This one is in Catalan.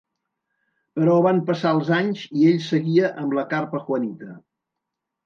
Però van passar els anys i ell seguia amb la carpa Juanita.